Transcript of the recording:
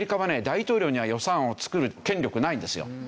大統領には予算案を作る権力ないんですよ。